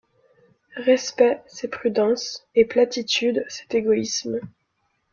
Respect, c’est prudence, et platitude, c’est égoïsme.